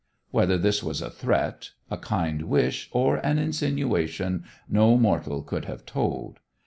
Whether this was a threat, a kind wish, or an insinuation, no mortal could have told.